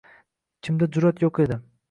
Kimda jur’at yo’q edi.